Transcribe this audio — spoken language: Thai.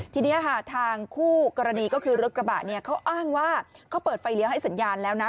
ทีนี้ค่ะทางคู่กรณีก็คือรถกระบะเนี่ยเขาอ้างว่าเขาเปิดไฟเลี้ยวให้สัญญาณแล้วนะ